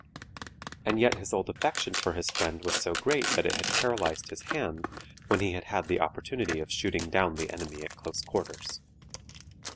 And yet his old affection for his friend was so great that it had paralyzed his hand when he had had the opportunity of shooting down the enemy at close quarters.